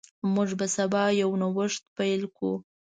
موږ به سبا یو نوښت پیل کړو.